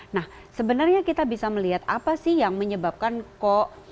nah sebenarnya kita bisa melihat apa sih yang menyebabkan kok yang nomor satu lebih sedikit misalnya gitu